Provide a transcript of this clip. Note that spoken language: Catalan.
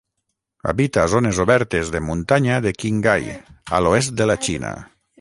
Habita zones obertes de muntanya de Qinghai, a l'oest de la Xina.